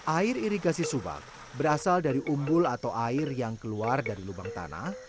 air irigasi subak berasal dari umbul atau air yang keluar dari lubang tanah